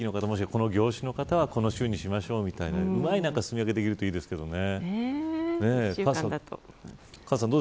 マンスで、この業種の方はこの週にしましょう、みたいなうまいすみ分けができるといいですけどね。